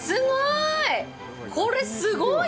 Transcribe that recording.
すごい！